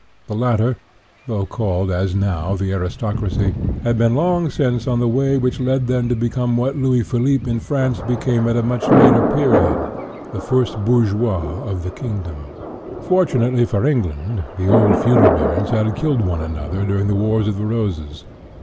The latter, though called, as now, the aristocracy, had been long since on the way which led them to become what Louis Philippe in France became at a much later period, " the first bourgeois of the kingdom." Fortunately for England, the old feudal barons had killed one another during the Wars of the Roses.